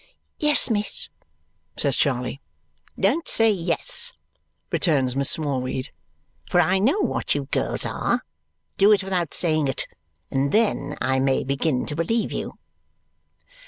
"Yes, miss," says Charley. "Don't say yes," returns Miss Smallweed, "for I know what you girls are. Do it without saying it, and then I may begin to believe you."